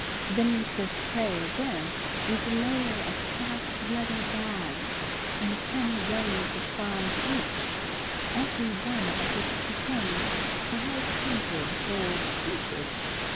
Beneath this tray again was a layer of soft leather bags in ten rows of five each, every one of which contained five hundred gold pieces.